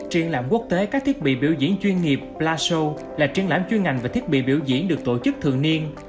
triển lãm quốc tế các thiết bị biểu diễn chuyên nghiệp pla show là triển lãm chuyên ngành và thiết bị biểu diễn được tổ chức thường niên